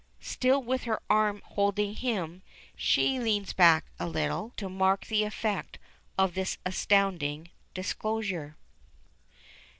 Still with her arm holding him, she leans back a little to mark the effect of this astonishing disclosure.